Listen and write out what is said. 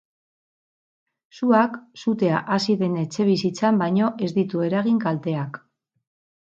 Suak sutea hasi den etxebizitzan baino ez ditu eragin kalteak.